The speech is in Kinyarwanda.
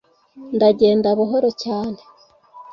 ndagenda buhoro cyane